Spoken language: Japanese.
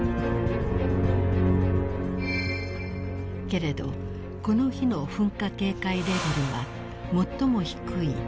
［けれどこの日の噴火警戒レベルは最も低い１］